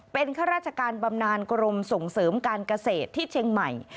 เป็นข้าราชการบำนานกรมส่งเสริมการเกษตรที่เชียงใหม่